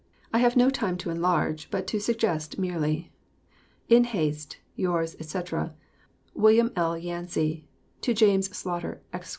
I have no time to enlarge, but to suggest merely. In haste, yours, etc., WM. L. YANCEY To James Slaughter, Esq.